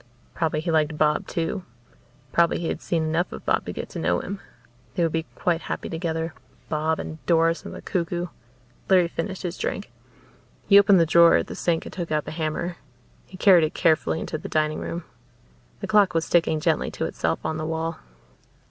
Probably he liked Bob too probably he had seen enough of Bob to get to know him. They would be quite happy together, Bob and Doris and the cuckoo. Larry finished his drink. He opened the drawer at the sink and took out the hammer. He carried it carefully into the dining room. The clock was ticking gently to itself on the wall.